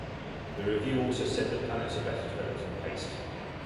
The review also said that planets are "better developed and paced".